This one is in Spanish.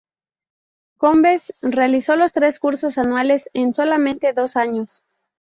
Combes realizó los tres cursos anuales en solamente dos años.